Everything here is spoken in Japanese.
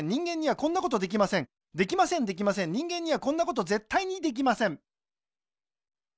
できませんできません人間にはこんなことぜったいにできません